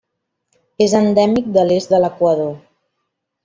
És endèmic de l'est de l'Equador.